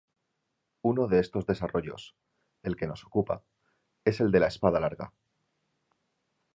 Uno de estos desarrollos -el que nos ocupa- es el de la espada larga.